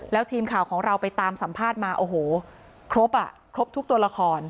แล้วทีมข่าวของเราไปตามสัมภาษณ์มาโอ้โหครบอ่ะครบทุกตัวละคร